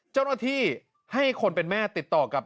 เจ้าหน้าที่ให้คนเป็นแม่ติดต่อกับ